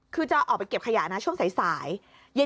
คือจะออกไปเก็บขยะนะช่วงสาย